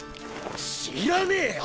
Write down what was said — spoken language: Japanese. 知らねえよ